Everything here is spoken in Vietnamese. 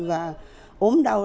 và ốm đau